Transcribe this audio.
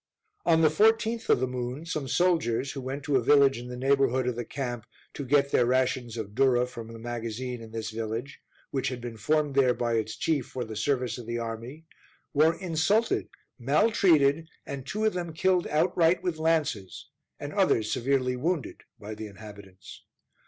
On the 14th of the moon, some soldiers, who went to a village in the neighborhood of the camp, to get their rations of durra from the magazine in this village, which had been formed there by its chief, for the service of the army, were insulted, maltreated, and two of them killed outright with lances, and others severely wounded by the inhabitants.